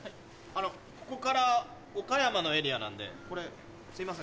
あのここから岡山のエリアなんでこれすいません。